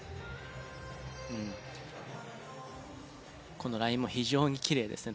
このラインも非常にキレイですね。